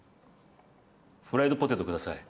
フライドポテト下さい。